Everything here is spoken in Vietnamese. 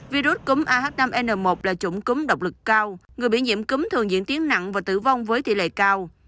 virus cúng ah năm n một là chủng cúng độc lực cao người bị nhiễm cúng thường diễn tiếng nặng và tử vong với tỷ lệ cao